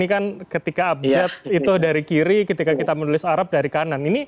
ini kan ketika abjad itu dari kiri ketika kita menulis arab dari kanan